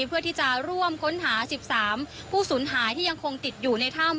เพื่อที่จะร่วมค้นหา๑๓ผู้สูญหายที่ยังคงติดอยู่ในถ้ำ